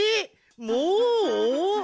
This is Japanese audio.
もう！？